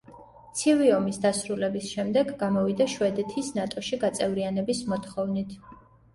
ცივი ომის დასრულების შემდეგ გამოვიდა შვედეთის ნატოში გაწევრიანების მოთხოვნით.